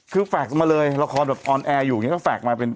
คือแฟคมาเลยละครแบบออนแอร์อยู่อย่างนี้ก็ฝากมาเป็น